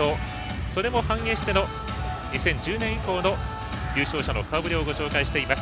それも反映しての２０１０年以降の優勝者の顔ぶれをご紹介しています。